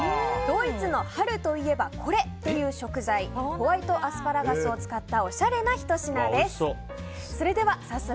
ドイツの春といえばこれという食材ホワイトアスパラガスを使ったおしゃれなひと品です。